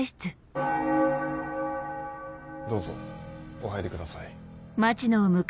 どうぞお入りください。